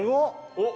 おっ？